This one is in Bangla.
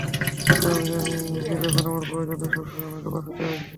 কিন্তু আমি জানি যে যখন আমার প্রয়োজন, তুই সবসময়ই আমাকে বাচাতে আসবি।